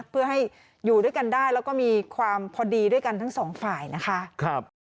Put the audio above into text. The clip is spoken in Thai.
เพื่อให้อยู่ด้วยกันได้แล้วก็มีความพอดีด้วยกันทั้งสองฝ่ายนะคะ